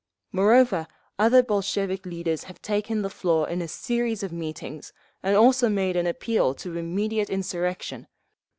Moreover, other Bolshevik leaders have taken the floor in a series of meetings, and also made an appeal to immediate insurrection.